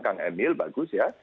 kang emil bagus ya